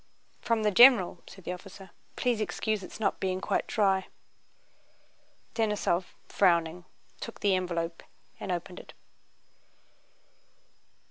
"From the general," said the officer. "Please excuse its not being quite dry." Denísov, frowning, took the envelope and opened it.